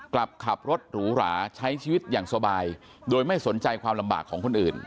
กลับขับรถหรูหราใช้ชีวิตอย่างสบายโดยไม่สนใจความลำบากของคนอื่น